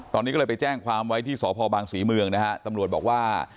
ตอนนี้ก็เลยไปแจ้งความไว้ที่สพบางศรีเมืองนะฮะตำรวจบอกว่า